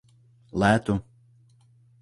Léto.